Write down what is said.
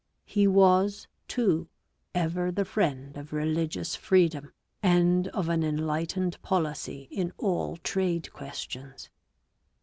He was, too, ever the friend of religious freedom and of an enlightened policy in all trade questions.